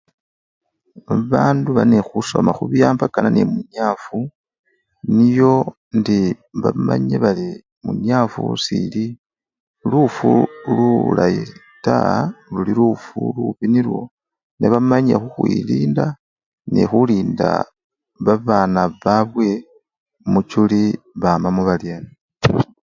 Babandu bali nekhusoma khubiwambakana nemunyafu niyo indi bamanye bari munyafu seli lufu lulayi taa, luli lufu lubii nilwo nebamanye khukhwilinda nekhulinda babana babwe muchuli bamamo baryena.